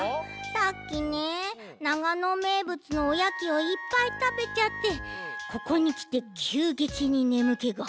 さっきね長野めいぶつの「おやき」をいっぱいたべちゃってここにきてきゅうげきにねむけが。